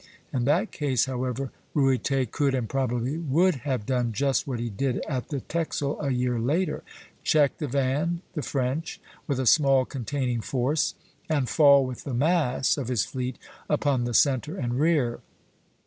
In that case, however, Ruyter could, and probably would, have done just what he did at the Texel a year later, check the van, the French, with a small containing force, and fall with the mass of his fleet upon the centre and rear.